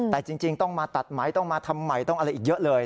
แต่จริงต้องมาตัดไหมต้องมาทำใหม่ต้องอะไรอีกเยอะเลย